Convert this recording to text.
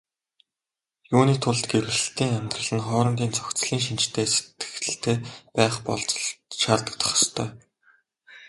Юуны тулд гэрлэлтийн амьдрал нь хоорондын зохицлын шинжтэй сэтгэлтэй байх болзол шаардагдах ёстой.